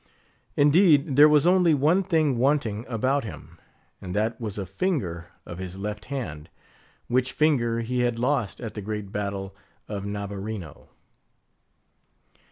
Indeed, there was only one thing wanting about him; and that was a finger of his left hand, which finger he had lost at the great battle of Navarino.